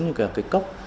như là cái cốc